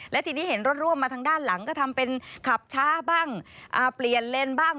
และทีนี้เห็นรถร่วมมาทางด้านหลังก็ทำเป็นขับช้าบ้างเปลี่ยนเลนบ้าง